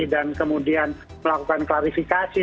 dan kemudian melakukan klarifikasi